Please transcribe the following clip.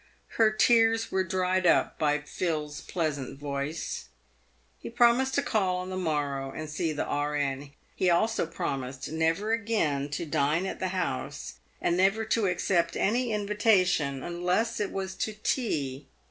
Her tears were dried up by Phil's pleasant voice. 374 PAVED WITH GOLD. He promised to call on the morrow and see the E.N. He also pro mised never again to dine at the house, and never to accept any invi tation unless it was to tea.